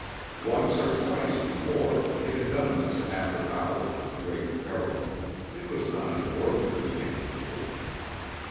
Once or twice before they had done this after hours of great peril. It was not an ordinary handshake.